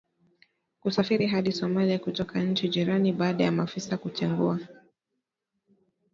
kusafiri hadi Somalia kutoka nchi jirani baada ya maafisa kutengua